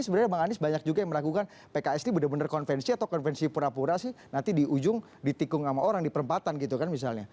sebenarnya bang anies banyak juga yang meragukan pks ini benar benar konvensi atau konvensi pura pura sih nanti di ujung ditikung sama orang di perempatan gitu kan misalnya